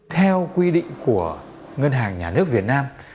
theo quy định của ngân hàng nhà nước việt nam